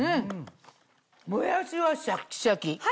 もやしはシャッキシャキ。